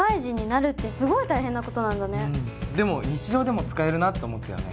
でも日常でも使えるなって思ったよね。